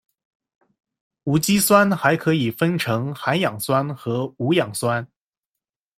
无机酸还可以分成含氧酸和无氧酸。